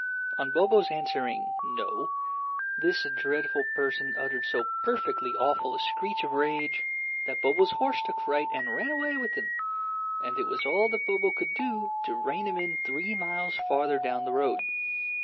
On Bobo's answering "No," this dreadful person uttered so perfectly awful a screech of rage, that Bobo's horse took fright and ran away with him, and it was all that Bobo could do to rein him in three miles farther down the road.